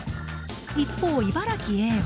一方茨城Ａは。